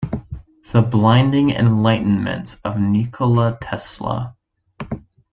The Blinding Enlightenment of Nikola Tesla.